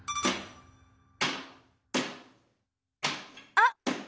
あっ！